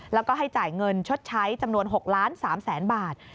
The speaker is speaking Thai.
แล้วก็ให้จ่ายเงินชดใช้จำนวน๖ล้าน๓แสนบาท